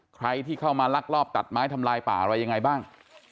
ใครที่เข้ามาลักลอบตัดไม้ทำลายป่าอะไรยังไงบ้าง